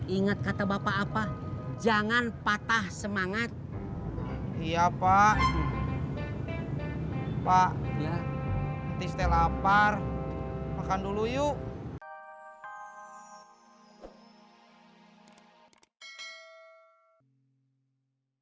ingat kata bapak apa jangan patah semangat ya pak nanti saya lapar makan dulu yuk